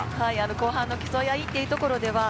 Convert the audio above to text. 後半の競い合いというところ。